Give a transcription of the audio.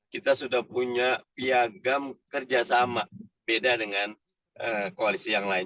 kita sudah punya piagam kerjasama beda dengan koalisi yang lain